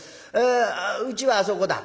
あうちはあそこだ」。